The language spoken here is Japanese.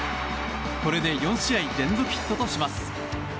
これで４試合連続ヒットとします。